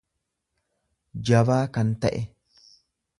jabaa kan ta'e.